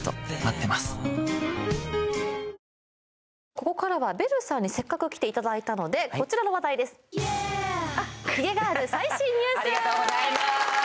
ここからはベルさんにせっかく来ていただいたのでこちらの話題ですありがとうございます！